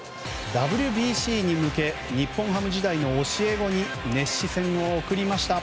ＷＢＣに向け日本ハム時代の教え子に熱視線を送りました。